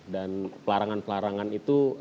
dan pelarangan pelarangan itu